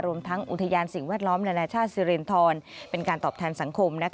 รวมทั้งอุทยานสิ่งแวดล้อมนานาชาติสิรินทรเป็นการตอบแทนสังคม